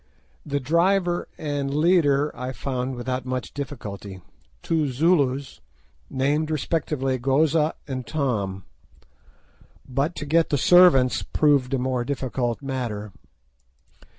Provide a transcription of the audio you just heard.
The driver and leader I found without much difficulty, two Zulus, named respectively Goza and Tom; but to get the servants proved a more difficult matter.